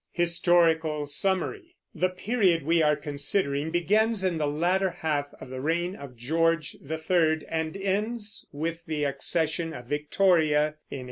HISTORICAL SUMMARY. The period we are considering begins in the latter half of the reign of George III and ends with the accession of Victoria in 1837.